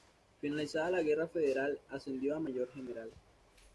Finalizada la Guerra Federal ascendió a Mayor General.